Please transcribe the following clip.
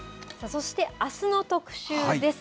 そして、あすの特集です。